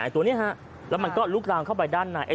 ตัวนี้แล้วมันก็ลุกลามเข้าไปด้านใน